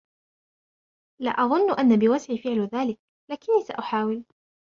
لا أظنّ أنّ بوسعي فعل ذلك، لكنّي سأحاول.